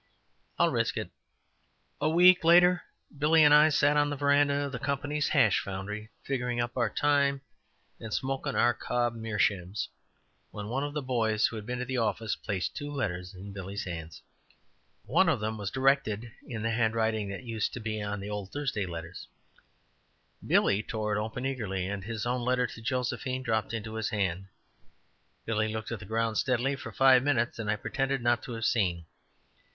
"I'll risk it." A week later Billy and I sat on the veranda of the company's hash foundry, figuring up our time and smoking our cob meerschaums, when one of the boys who had been to the office, placed two letters in Billy's hands. One of them was directed in the handwriting that used to be on the old Thursday letters. Billy tore it open eagerly and his own letter to Josephine dropped into his hand. Billy looked at the ground steadily for five minutes, and I pretended not to have seen.